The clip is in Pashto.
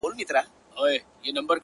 ښه اخلاق درناوی زیاتوي.